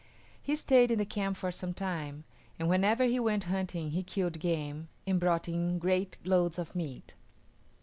He stayed in the camp for some time, and whenever he went hunting he killed game and brought in great loads of meat.